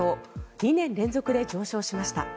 ２年連続で上昇しました。